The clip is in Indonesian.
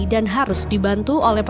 dan harus dibantuin